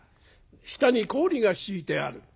下に氷が敷いてある」。